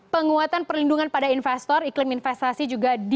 penguatan perlindungan pada investor iklim investasi juga diperlukan